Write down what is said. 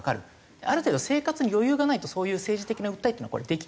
ある程度生活に余裕がないとそういう政治的な訴えというのはこれできない。